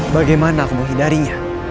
bagaimana aku menghindarinya